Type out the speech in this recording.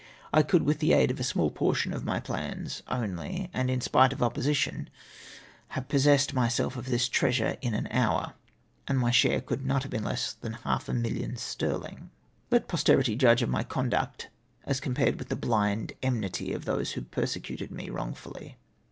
I could, witli tlie aid of a small portion of my plans only, and in spite of opposition, have possessed myself of this treasure in an hour, and my sliare could not have been less than half a million sterling. Let posterity judge of my conduct, as compared with the bhnd enmity of those who persecuted me wrong fully.